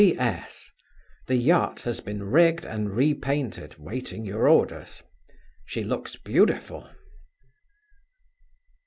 "P. S. The yacht has been rigged and repainted, waiting your orders. She looks beautiful."